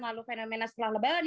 lalu fenomena setelah lebaran